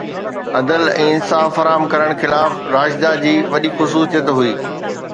عدل ۽ انصاف فراهم ڪرڻ خلافت راشده جي وڏي خصوصيت هئي